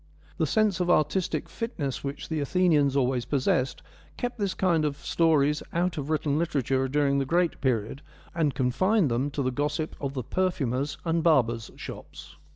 The sense of artistic fitness which the Athenians always possessed kept this kind of stories out of written literature during the great period, and confined them to the gossip of the per THE MILESIAN TALES 47 furriers' and barbers' shops.